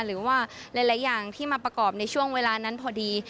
หรือว่าหลายอย่างที่มาประกอบในช่วงเวลานั้นพอดี